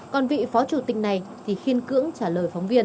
còn vị phó chủ tịch này thì khiên cưỡng trả lời phóng viên